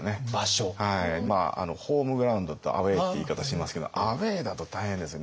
ホームグラウンドとアウェーって言い方しますけどアウェーだと大変ですよ。